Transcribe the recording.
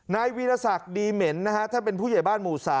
นายวินสักดีเหม็นนะฮะถ้าเป็นผู้ใหญ่บ้านหมู่๓